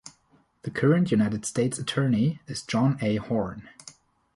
The current United States Attorney is John A. Horn.